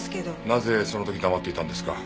なぜその時黙っていたんですか？